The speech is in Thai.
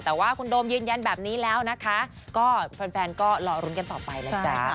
แต่ว่าคุณโดมยืนยันแบบนี้แล้วนะคะก็แฟนก็รอรุ้นกันต่อไปนะจ๊ะ